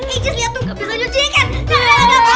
aduh ijis lihat tuh nggak bisa cuci kan